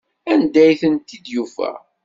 Anda ay tent-id-yufa?